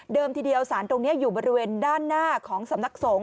ทีเดียวสารตรงนี้อยู่บริเวณด้านหน้าของสำนักสงฆ